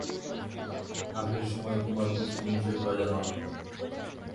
কাজের সময় তোমার কিছু জিনিসের প্রয়োজন হবে।